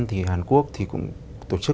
thì hàn quốc thì cũng tổ chức